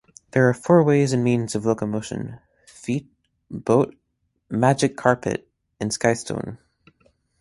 There are four ways and means of locomotion: feet, boat, magic carpet, and skystone.